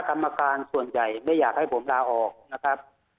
กรรมการส่วนใหญ่ไม่อยากให้ผมลาออกนะครับ